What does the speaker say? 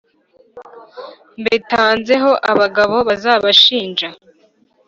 mbitanzeho abagabo bazabashinja